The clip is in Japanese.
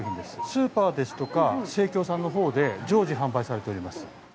スーパーですとか生協さんの方で常時販売されております。